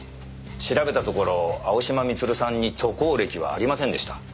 調べたところ青嶋光留さんに渡航歴はありませんでした。